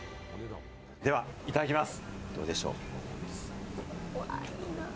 ではいただきます。